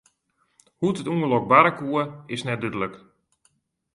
Hoe't it ûngelok barre koe, is net dúdlik.